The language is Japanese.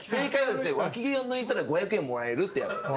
脇毛を抜いたら５００円もらえるっていうやつですね